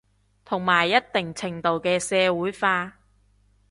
同埋一定程度嘅社會化